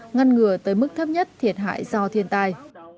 ngăn ngừa tới mức thấp nhất thiệt hại do thiên tai